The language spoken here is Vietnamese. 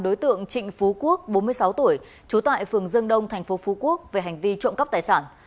đối tượng trịnh phú quốc bốn mươi sáu tuổi trú tại phường dương đông thành phố phú quốc về hành vi trộm cắp tài sản